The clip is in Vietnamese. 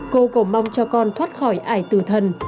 cô cầu mong cho con thoát khỏi ải tử thần